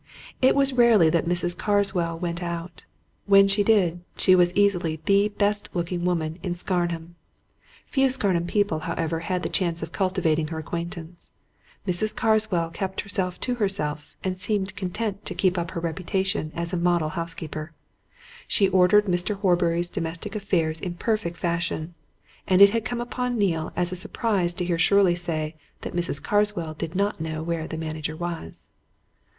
It was rarely that Mrs. Carswell went out; when she did, she was easily the best looking woman in Scarnham. Few Scarnham people, however, had the chance of cultivating her acquaintance; Mrs. Carswell kept herself to herself and seemed content to keep up her reputation as a model housekeeper. She ordered Mr. Horbury's domestic affairs in perfect fashion, and it had come upon Neale as a surprise to hear Shirley say that Mrs. Carswell did not know where the manager was.